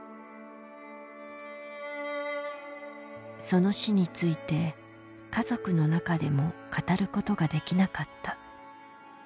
その死について家族の中でも語ることができなかった。